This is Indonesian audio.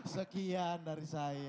sekian dari saya